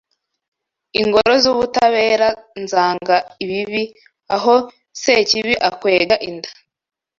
Ingoro zubutabera, zanga ibibi, Aho Sekibi akwega inda